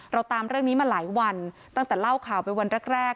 เราตามเรื่องนี้มาหลายวันตั้งแต่เล่าข่าวไปวันแรก